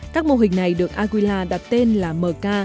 các mô hình này được angoila đặt tên là mk